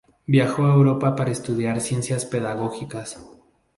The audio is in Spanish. Viajó a Europa para estudiar ciencias pedagógicas.